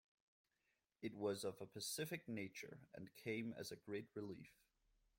It was of a pacific nature, and came as a great relief.